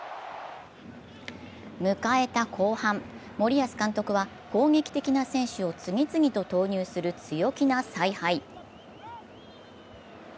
迎えた後半、森保監督は攻撃的な選手を次々と投入する強気の采配。